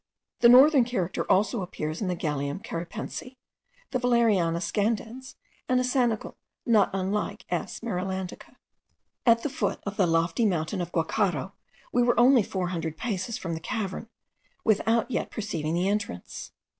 The northern character also appears in the Galium caripense, the Valeriana scandens, and a sanicle not unlike the S. marilandica. At the foot of the lofty mountain of the Guacharo, we were only four hundred paces from the cavern, without yet perceiving the entrance.